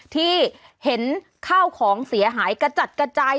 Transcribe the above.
ที่เห็นข้าวของเสียหายกระจัดกระจาย